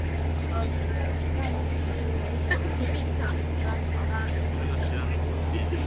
The city was split into North and Red Deer-South.